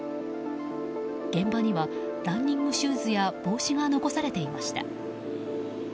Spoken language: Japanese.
現場には、ランニングシューズや帽子が残されていました。